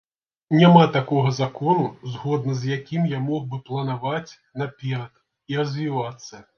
Няма такога закону, згодна з якім я мог бы планаваць наперад і развівацца.